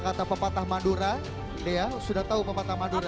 kata pepatah mandura sudah tahu pepatah mandura